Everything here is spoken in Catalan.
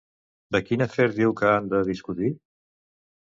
De quin afer diu que han de discutir?